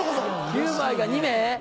９枚が２名。